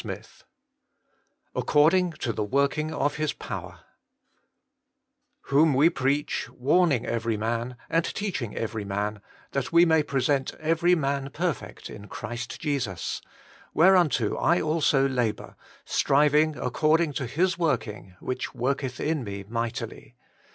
XXV HccorMn^ to tbe MorWno ot Ibis Ipovver * Whom we preach, warning every man, and teaching: every man, that we may present every man perfect in Christ Jesus ; whereunto I also labour, striving according to His zuorking, which Zi'orketh in mc mightily.'